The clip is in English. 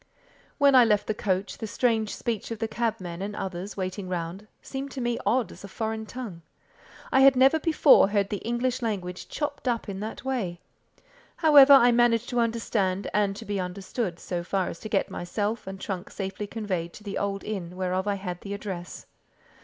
When I left the coach, the strange speech of the cabmen and others waiting round, seemed to me odd as a foreign tongue. I had never before heard the English language chopped up in that way. However, I managed to understand and to be understood, so far as to get myself and trunk safely conveyed to the old inn whereof I had the address.